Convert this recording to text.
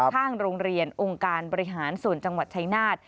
ข้างโรงเรียนองค์การบริหารส่วนจังหวัดชายนาฏ